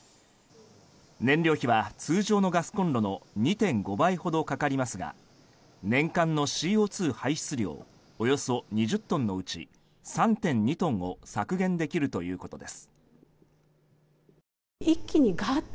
燃料費は通常のガスコンロの２．５倍ほどかかりますが年間のＣＯ２排出量およそ２０トンのうち３．２トンを削減できるということです。